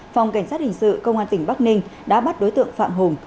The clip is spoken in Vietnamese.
phòng cảnh sát hình sự công an tỉnh bắc ninh đã bắt đối tượng phạm hùng